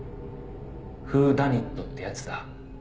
「フーダニットってやつだ」